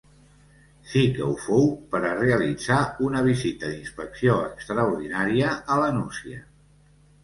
Sí que ho fou per a realitzar una visita d’inspecció extraordinària a La Nucia.